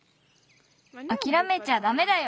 あきらめちゃダメだよ！